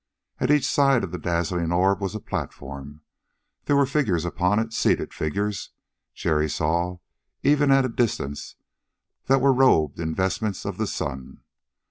At each side of the dazzling orb was a platform. There were figures upon it, seated figures, Jerry saw, even at a distance, that were robed in vestments of the sun.